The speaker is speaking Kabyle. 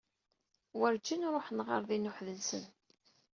Werǧin ruḥen ɣer din uḥd-nsen.